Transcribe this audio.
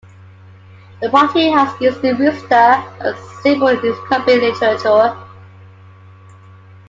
The party has used the rooster as a symbol in its campaign literature.